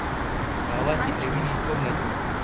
ئاواتی ئەوینی تۆم لە دڵە